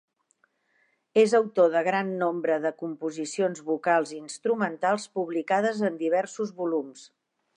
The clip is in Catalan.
És autor de gran nombre de composicions, vocals i instrumentals, publicades en diversos volums.